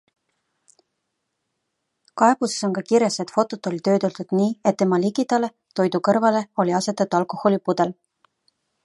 Kaebuses on ka kirjas, et fotot oli töödeldud nii, et tema ligidale, toidu kõrvale, oli asetatud alkoholipudel.